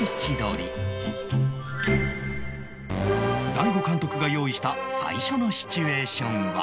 大悟監督が用意した最初のシチュエーションは